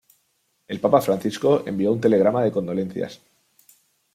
El papa Francisco envió un telegrama de condolencias.